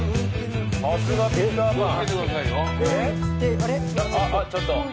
さすがピーターパン。